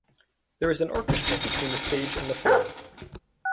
There is an orchestra between the stage and the floor.